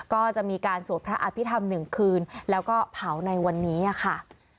ก็จะมีการสวดพระอภิษฐรรม๑คืนแล้วก็เผาในวันนี้ค่ะ